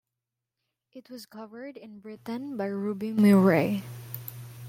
It was covered in Britain by Ruby Murray.